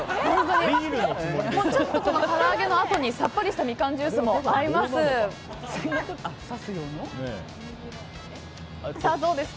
このからあげのあとにさっぱりとしたみかんジュースも合います。